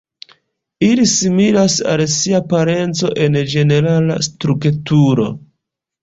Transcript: Ili similas al sia parenco en ĝenerala strukturo.